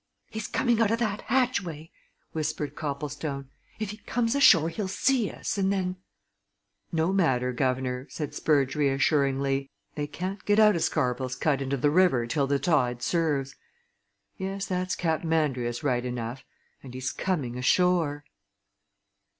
"He's coming out of that hatchway!" whispered Copplestone. "If he comes ashore he'll see us, and then " "No matter, guv'nor," said Spurge reassuringly. "They can't get out o' Scarvell's Cut into the river till the tide serves. Yes, that's Cap'n Andrius right enough and he's coming ashore."